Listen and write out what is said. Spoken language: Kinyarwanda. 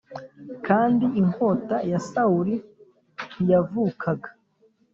Kandi inkota ya Sawuli ntiyavukaga